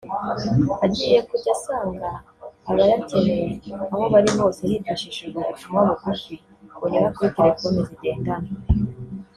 agiye kujya asanga abayakeneye aho bari hose hifashishijwe ubutumwa bugufi bunyura kuri telefoni zigendanwa